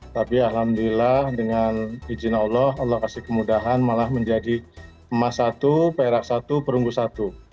tapi alhamdulillah dengan izin allah allah kasih kemudahan malah menjadi emas satu perak satu perunggu satu